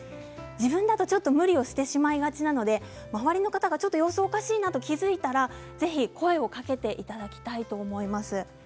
自分だと、ちょっと無理をしてしまいがちなので周りの方がちょっと様子がおかしいなと気付いたらぜひ声をかけていただきたいと思います。